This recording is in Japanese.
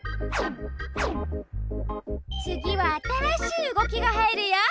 つぎはあたらしいうごきがはいるよ。